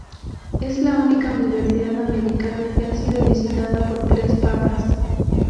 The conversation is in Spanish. Es la única universidad americana que ha sido visitada por tres papas.